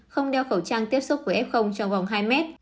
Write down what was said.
không đeo khẩu trang tiếp xúc với f trong vòng hai mét